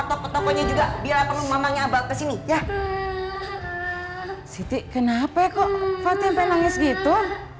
tokonya juga biar mamanya abang kesini ya siti kenapa kok fatin pengen nangis gitu